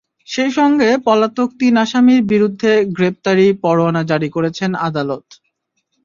সেই সঙ্গে পলাতক তিন আসামির বিরুদ্ধে গ্রেপ্তারি পরোয়ানা জারি করেছেন আদালত।